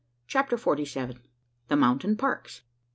CHAPTER FORTY SEVEN. THE MOUNTAIN PARKS.